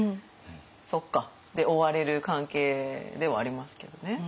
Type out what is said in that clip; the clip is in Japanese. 「そっか」で終われる関係ではありますけどね。